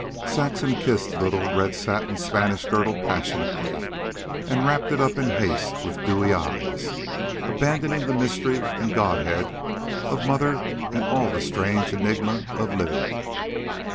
Saxon kissed the little, red satin Spanish girdle passionately, and wrapped it up in haste, with dewy eyes, abandoning the mystery and godhead of mother and all the strange enigma of living.